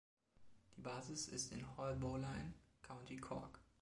Die Basis ist in Haulbowline, County Cork.